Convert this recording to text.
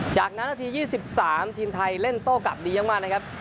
จากนั้นนาที๒๓ทีมไทยเล่นโต้กลับดีมากนะครับ